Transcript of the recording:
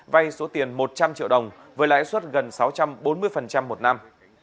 vay số tiền một trăm linh triệu đồng với lãi suất gần sáu trăm bốn mươi một năm